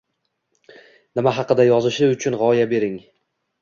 nima haqida yozishi uchun g‘oya bering.